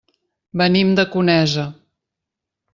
Venim de Conesa.